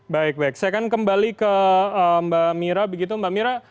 baik baik saya akan kembali ke mbak mira begitu mbak mira